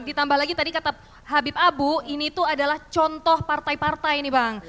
ditambah lagi tadi kata habib abu ini tuh adalah contoh partai partai nih bang